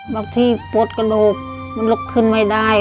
บางทีปวดกระดูกมันลุกขึ้นไม่ได้